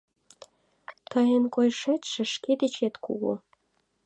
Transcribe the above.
Тыйын койышетше шке дечет кугу.